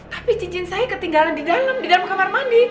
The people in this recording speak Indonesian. tapi cincin saya ketinggalan di dalam di dalam kamar mandi